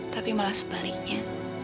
tapi malah sebaliknya